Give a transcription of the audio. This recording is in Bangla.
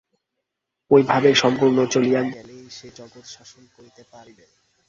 ঐ ভাব সম্পূর্ণ চলিয়া গেলেই সে জগৎ শাসন করিতে পারিবে।